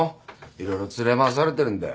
色々連れ回されてるんだよ。